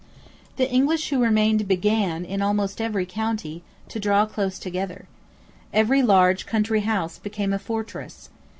The English who remained began, in almost every county, to draw close together. Every large country house became a fortress.